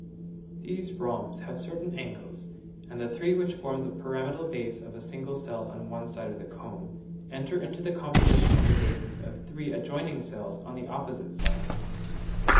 These rhombs have certain angles, and the three which form the pyramidal base of a single cell on one side of the comb, enter into the composition of the bases of three adjoining cells on the opposite side.